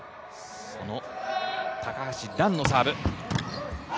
高橋藍のサーブ。